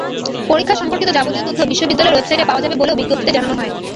পরীক্ষা সম্পর্কিত যাবতীয় তথ্য বিশ্ববিদ্যালয়ের ওয়েবসাইটে পাওয়া যাবে বলেও বিজ্ঞপ্তিতে জানানো হয়।